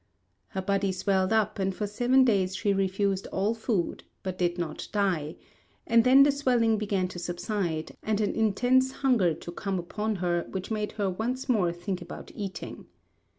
Her body swelled up, and for seven days she refused all food, but did not die; and then the swelling began to subside, and an intense hunger to come upon her which made her once more think about eating.